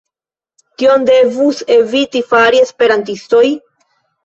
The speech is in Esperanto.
Kion devus eviti fari esperantistoj?